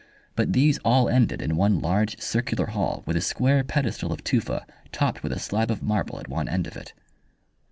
But these all ended in one large circular hall with a square pedestal of tufa topped with a slab of marble at one end of it.